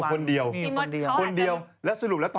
ข้าวใส่ข้าวใส่ข้าว